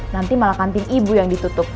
nanti malah kantin ibu yang ditutup